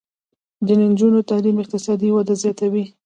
د نجونو تعلیم اقتصادي وده زیاتوي.